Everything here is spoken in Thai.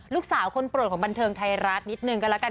ลูกสาวคนโปรดของบันเทิงไทยรัฐนิดนึงก็แล้วกัน